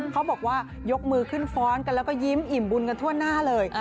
เขาบอกว่ายกมือขึ้นฟ้อนกันแล้วก็ยิ้มอิ่มบุญกันทั่วหน้าเลย